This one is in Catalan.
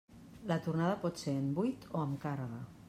La tornada pot ser en buit o amb càrrega.